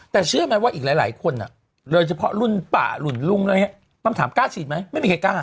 แต่เชื่อมั้ยว่าอีกหลายคนน่ะโดยเฉพาะรุ่นป่าหลุ่นรุ่งนะฮะตามถามกล้าฉีดไหมไม่มีใครกล้า